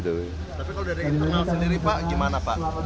tapi kalau dari internal sendiri pak gimana pak